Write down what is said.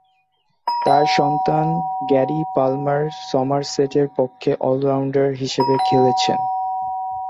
তার সন্তান Garry Palmer সমারসেটের পক্ষে অল-রাউন্ডার হিসেবে খেলেছেন।